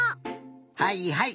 はいはい。